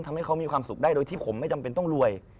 ทำให้เขามีความสุขได้โดยที่ผมไม่จำเป็นต้องรวย